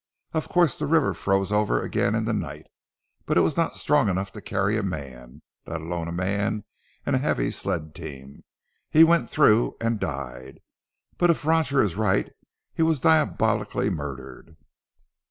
Of course the river froze over again in the night, but it was not strong enough to carry a man, let alone a man and a heavy sled team. He went through and died, but if Roger is right he was diabolically murdered."